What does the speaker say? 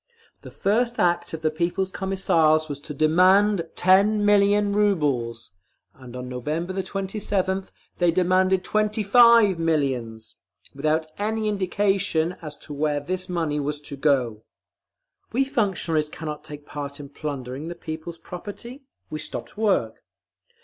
The first act of the People's Commissars was to DEMAND TEN MILLION RUBLES, and on November 27th THEY DEMANDED TWENTY FIVE MILLIONS, without any indication as to where this money was to go. … We functionaries cannot take part in plundering the people's property. We stopped work.